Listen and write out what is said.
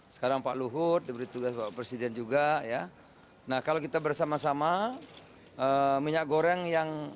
sekarang pak luhut diberi tugas pak presiden juga ya nah kalau kita bersama sama minyak goreng yang